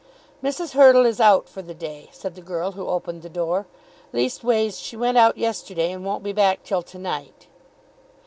"Mrs. Hurtle is out for the day," said the girl who opened the door. "Leastways, she went out yesterday and won't be back till to night."